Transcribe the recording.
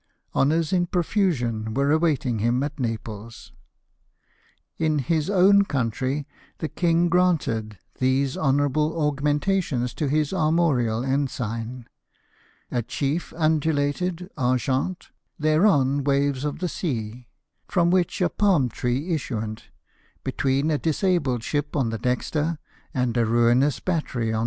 Honours in profusion were awaiting him at Naples. In his own country the king granted these honourable augmentations to his armorial ensign : a chief undulated, argent ; thereon waves of the sea ; from which a palm tree issuant, between a disabled ship on the dexter, and a ruinous battery on ''BARON NELSON OF THE NILE.''